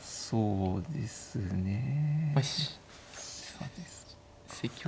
そうですね。